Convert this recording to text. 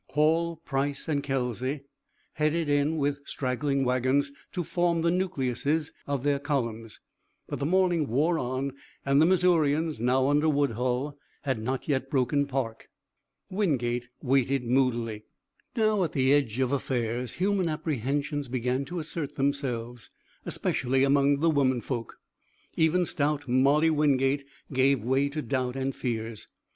Hall, Price, and Kelsey headed in with straggling wagons to form the nucleuses of their columns; but the morning wore on and the Missourians, now under Woodhull, had not yet broken park. Wingate waited moodily. Now at the edge of affairs human apprehensions began to assert themselves, especially among the womenfolk. Even stout Molly Wingate gave way to doubt and fears.